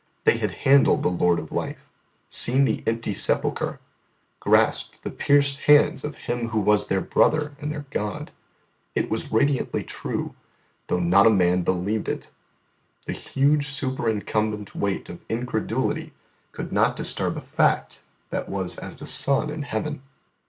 They had handled the Lord of Life, seen the empty sepulchre, grasped the pierced hands of Him Who was their brother and their God. It was radiantly true, though not a man believed it; the huge superincumbent weight of incredulity could not disturb a fact that was as the sun in heaven.